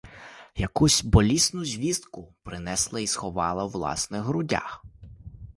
Якусь болісну звістку принесла й сховала у власних грудях.